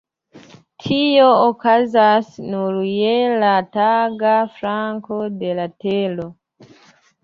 Tio okazas nur je la taga flanko de la Tero.